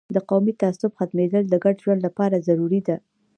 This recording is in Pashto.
د قومي تعصب ختمیدل د ګډ ژوند لپاره ضروري ده.